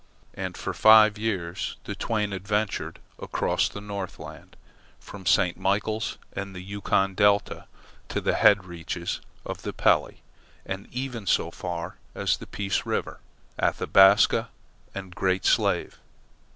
And for five years the twain adventured across the Northland, from St. Michael's and the Yukon delta to the head reaches of the Pelly and even so far as the Peace River, Athabasca, and the Great Slave.